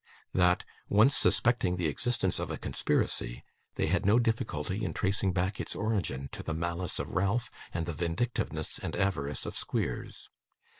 That, once suspecting the existence of a conspiracy, they had no difficulty in tracing back its origin to the malice of Ralph, and the vindictiveness and avarice of Squeers.